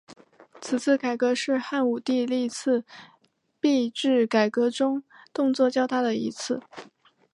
此次改革是汉武帝历次币制改革中动作较大的一次。